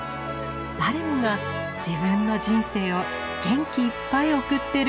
誰もが自分の人生を元気いっぱい送ってる。